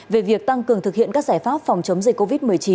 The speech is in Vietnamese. về việc tăng cường thực hiện các giải pháp phòng chống dịch covid một mươi chín